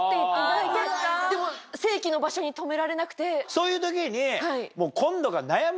そういう時に。